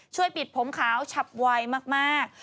ช่วยปิดผมขาวชับไวมาก